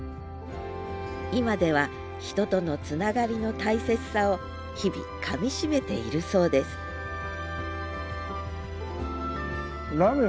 今では人とのつながりの大切さを日々かみしめているそうですありがとうございました。